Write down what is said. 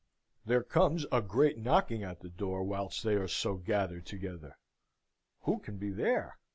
There comes a great knocking at the door whilst they are so gathered together. Who can be there?